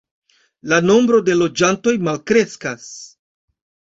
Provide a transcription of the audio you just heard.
La nombro de loĝantoj malkreskas.